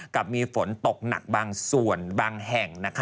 กับมีฝนตกหนักบางส่วนบางแห่ง